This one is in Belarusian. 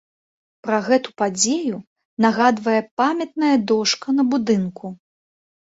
Пра гэту падзею нагадвае памятная дошка на будынку.